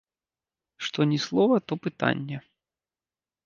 Што ні слова, то пытанне.